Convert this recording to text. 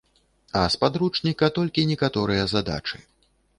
А з падручніка толькі некаторыя задачы.